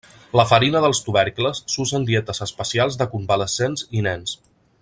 La farina dels tubercles s'usa en dietes especials de convalescents i nens.